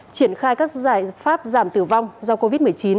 triển khai các giải pháp giảm tử vong do covid một mươi chín